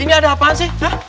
ini ada apaan sih